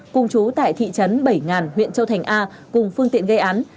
cùng chú tại thị trấn bảy ngàn huyện châu thành a cùng phương tiện gây án